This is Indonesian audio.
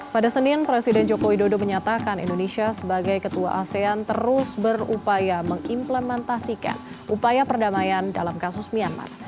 pada senin presiden joko widodo menyatakan indonesia sebagai ketua asean terus berupaya mengimplementasikan upaya perdamaian dalam kasus myanmar